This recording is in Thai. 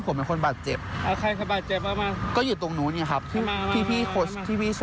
คนที่ข้ามถนนอยู่ตรงนั้นอ่ะที่พี่เบรคยุก